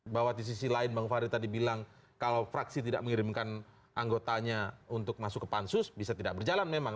bahwa di sisi lain bang fahri tadi bilang kalau fraksi tidak mengirimkan anggotanya untuk masuk ke pansus bisa tidak berjalan memang